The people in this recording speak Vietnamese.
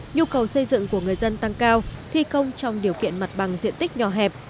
nhu cầu xây dựng của người dân tăng cao thi công trong điều kiện mặt bằng diện tích nhỏ hẹp